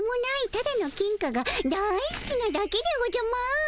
ただの金貨がだいすきなだけでおじゃマーン。